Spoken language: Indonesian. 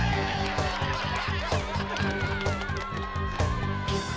makasih sun hum